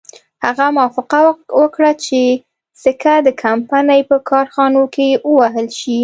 هغه موافقه وکړه چې سکه د کمپنۍ په کارخانو کې ووهل شي.